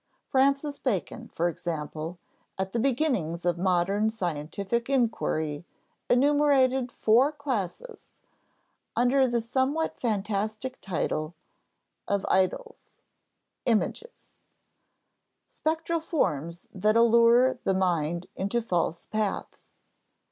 Francis Bacon, for example, at the beginnings of modern scientific inquiry, enumerated four such classes, under the somewhat fantastic title of "idols" (Gr. [Greek: eidôla], images), spectral forms that allure the mind into false paths.